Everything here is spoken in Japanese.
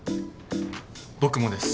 僕もです。